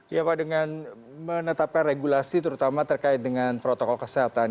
ya pak dengan menetapkan regulasi terutama terkait dengan protokol kesehatan